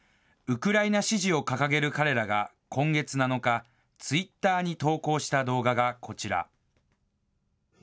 ウクライナ支持を掲げる彼らが、今月７日、ツイッターに投稿した動画がこちら。